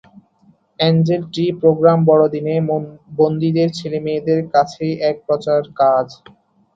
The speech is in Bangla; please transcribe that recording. আ্যঞ্জেল ট্রি প্রোগ্রাম বড়দিনে বন্দিদের ছেলেমেয়েদের কাছে এক প্রচার কাজ।